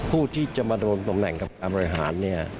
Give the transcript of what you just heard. ผู้ที่จะมาดำรงตำแหน่งกรรมการบริหาร